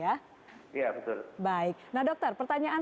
ya betul baik nah dokter pertanyaan